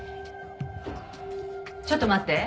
ちょっと待って。